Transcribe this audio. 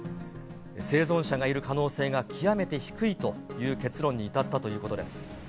生存者がいる可能性が極めて低いという結論に至ったということです。